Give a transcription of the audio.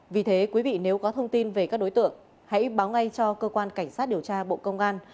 vì thế quý vị nếu có thông tin về các đối tượng hãy báo ngay cho cơ quan cảnh sát điều tra bộ công an